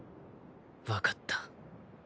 分かった